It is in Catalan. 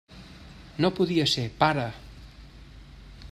No podia ser, pare!